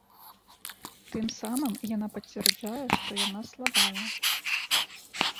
Тым самым яна пацвярджае, што яна слабая.